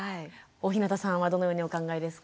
大日向さんはどのようにお考えですか？